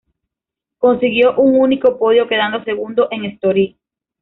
Consiguió un único podio quedando segundo en Estoril.